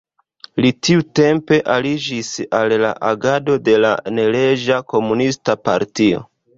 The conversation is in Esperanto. Li tiutempe aliĝis al la agado de la neleĝa komunista partio.